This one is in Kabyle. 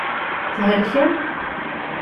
Thelkem?